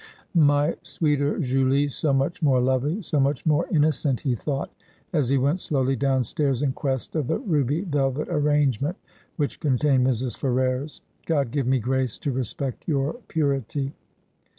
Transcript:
'My sweeter Julie — so much more lovely — so much more innocent,' he thought, as he went slowly downstairs in quest of the ruby velvet arrangement which contained Mrs. Ferrers. ' God give me grace to respect your purity